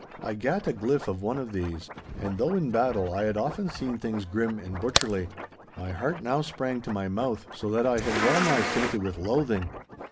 I gat a gliff of one of these, and though in battle I had often seen things grim and butcherly, my heart now sprang to my mouth, so that I had well nigh fainted with loathing.